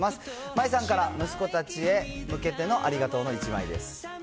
マイさんから息子たちへ向けてのありがとうの１枚です。